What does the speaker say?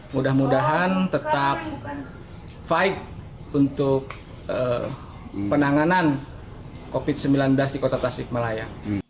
mudah mudahan tetap fight untuk penanganan covid sembilan belas di kota tasikmalaya